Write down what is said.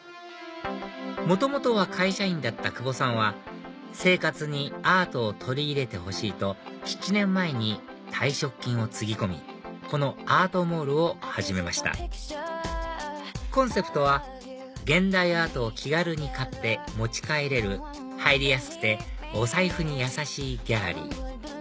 元々は会社員だった久保さんは生活にアートを取り入れてほしいと７年前に退職金をつぎ込みこのアートモールを始めましたコンセプトは「現代アートを気軽に買って持ち帰れる入りやすくてお財布にやさしいギャラリー」